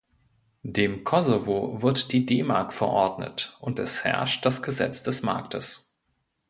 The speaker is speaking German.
Dem Kosovo wird die D-Mark verordnet, und es herrscht das Gesetz des Marktes.